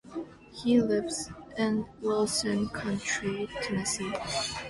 He lives in Wilson County, Tennessee.